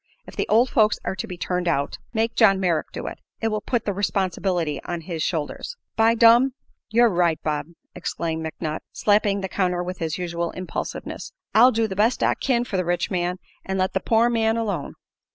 If the old folks are to be turned out, make John Merrick do it; it will put the responsibility on his shoulders." "By dum, yer right, Bob!" exclaimed McNutt. slapping the counter with his usual impulsiveness. "I'll do the best I kin for the rich man, an' let the poor man alone."